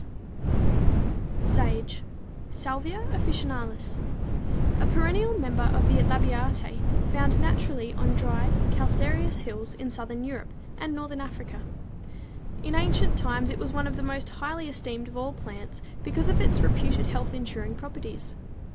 =Sage= (Salvia officinalis, Linn.), a perennial member of the Labiatæ, found naturally on dry, calcareous hills in southern Europe, and northern Africa. In ancient times, it was one of the most highly esteemed of all plants because of its reputed health insuring properties.